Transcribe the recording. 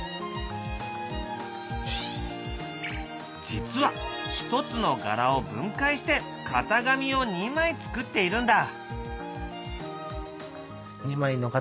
実はひとつの柄を分解して型紙を２枚作っているんだ。